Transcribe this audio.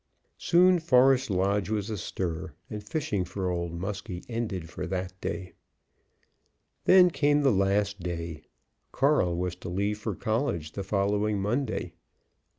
Soon Forest Lodge was astir, and fishing for Old Muskie ended for that day. Then came the last day. Carl was to leave for college the following Monday.